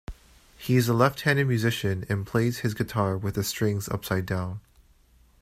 He is a left-handed musician and plays his guitar with the strings upside down.